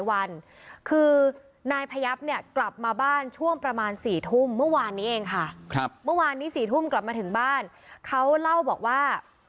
วันนี้สี่ทุ่มกลับมาถึงบ้านเขาเล่าบอกว่า